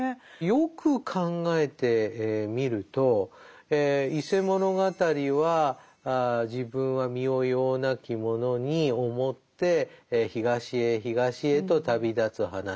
よく考えてみると「伊勢物語」は自分は身をようなき者に思って東へ東へと旅立つ話。